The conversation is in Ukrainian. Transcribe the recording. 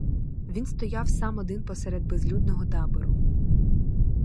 Він стояв сам один посеред безлюдного табору.